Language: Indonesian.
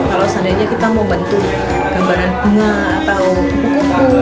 kalau seandainya kita mau membentuk gambaran bunga atau buku buku